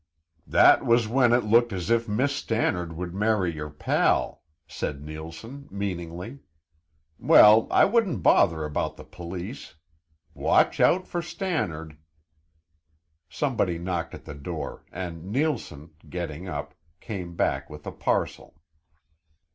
"That was when it looked as if Miss Stannard would marry your pal!" said Neilson meaningly. "Well, I wouldn't bother about the police. _Watch out for Stannard _" Somebody knocked at the door and Neilson, getting up, came back with a parcel.